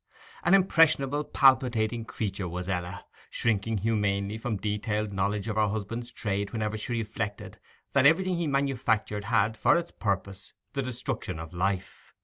An impressionable, palpitating creature was Ella, shrinking humanely from detailed knowledge of her husband's trade whenever she reflected that everything he manufactured had for its purpose the destruction of life.